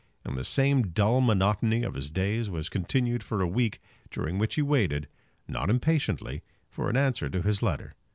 And the same dull monotony of his days was continued for a week, during which he waited, not impatiently, for an answer to his letter.